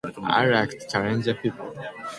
I like to challenge people.